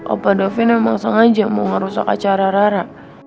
opa davin emang sengaja mau ngerusak acara rara